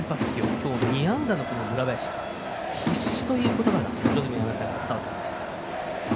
今日２安打の村林必死という言葉が黒住アナウンサーから伝わってきました。